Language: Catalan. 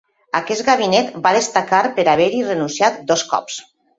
Aquest gabinet va destacar per haver-hi renunciat dos cops.